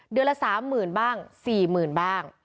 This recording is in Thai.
เดือนละ๓๐๐๐๐บ้าง๔๐๐๐๐บ้าง